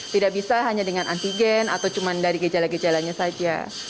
tidak bisa hanya dengan antigen atau cuma dari gejala gejalanya saja